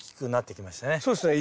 そうですね。